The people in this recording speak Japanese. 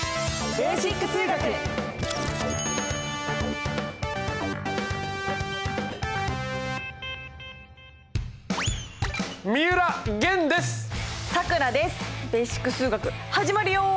「ベーシック数学」始まるよ！